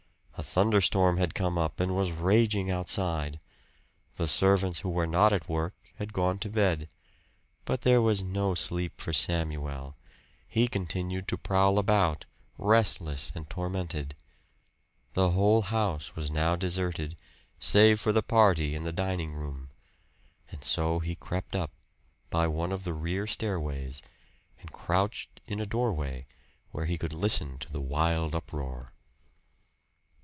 A thunderstorm had come up and was raging outside. The servants who were not at work, had gone to bed, but there was no sleep for Samuel; he continued to prowl about, restless and tormented. The whole house was now deserted, save for the party in the dining room; and so he crept up, by one of the rear stairways, and crouched in a doorway, where he could listen to the wild uproar.